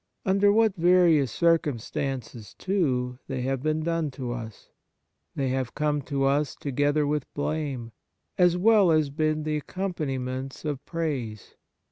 Under what various circum stances too, they have been done to us ! They have come to us together with blame, as well as been the accompaniments of praise.